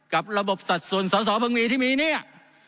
กับระบบสัดส่วนสอสอเพิ่งมีที่มีเนี่ย